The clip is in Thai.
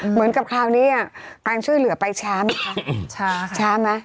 เหมือนกับคราวนี้การช่วยเหลือไปช้าไหมคะ